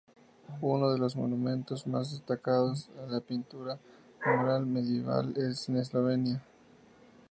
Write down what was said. Uno de los monumentos más destacados de la pintura mural medieval en Eslovenia.